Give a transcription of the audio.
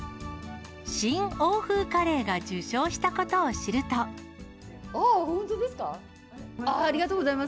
新欧風カレーが受賞したことを知あー、本当ですか？